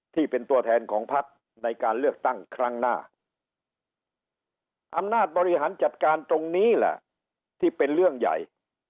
ที่เป็นตัวแทนของพักในการเลือกตั้งครั้งหน้าอำนาจบริหารจัดการตรงนี้แหละที่เป็นเรื่องใหญ่